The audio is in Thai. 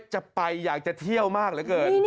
จะไปอยากจะเที่ยวมากเหลือเกิน